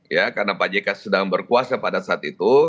ya karena pak jk sedang berkuasa pada saat itu